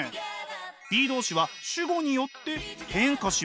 ｂｅ動詞は主語によって変化します。